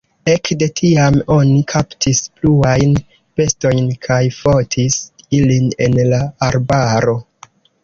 Ekde tiam oni kaptis pluajn bestojn kaj fotis ilin en la arbaro.